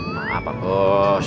maaf pak bos